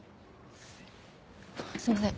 すいません